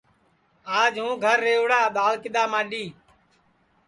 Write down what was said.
آج ہوں گھر رِوڑا دؔاݪ کِدؔا ماڈؔی